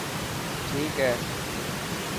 ٺيڪ هي.